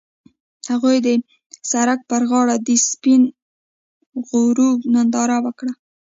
هغوی د سړک پر غاړه د سپین غروب ننداره وکړه.